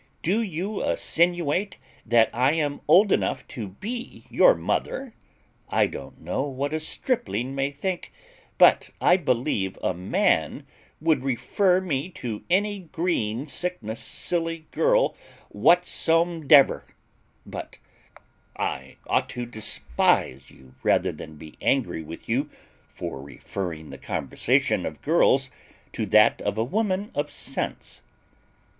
Do you assinuate that I am old enough to be your mother? I don't know what a stripling may think, but I believe a man would refer me to any green sickness silly girl whatsomdever: but I ought to despise you rather than be angry with you, for referring the conversation of girls to that of a woman of sense."